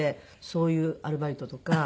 そういうアルバイトとか。